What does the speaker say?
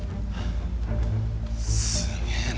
すげえな。